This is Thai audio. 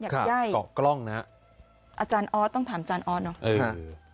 หยักไย่อาจารย์ออสต้องถามอาจารย์ออสเนอะค่ะค่ะ